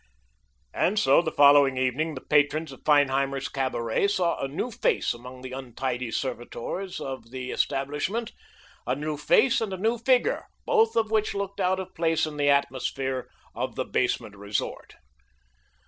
And so the following evening the patrons of Feinheimer's Cabaret saw a new face among the untidy servitors of the establishment a new face and a new figure, both of which looked out of place in the atmosphere of the basement resort.